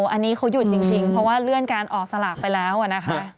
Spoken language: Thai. อันนี้เขาหยุดจริงเพราะว่าเลื่อนการออกสลากไปแล้วนะคะ